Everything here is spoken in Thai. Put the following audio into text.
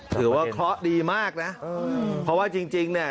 คือว่าเคราะห์ดีมากนะพอว่าจริงเนี่ย